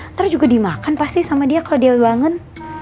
ntar juga dimakan pasti sama dia kalo dia bangun